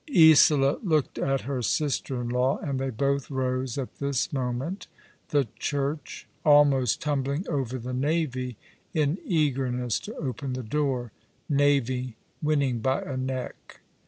Isola looked at her sister in law, and they both rose at this moment, the Church almost tumbling over the Navy in eagerness to open the door ; Navy winning by a neck.